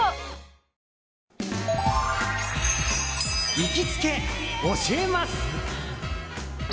行きつけ教えます！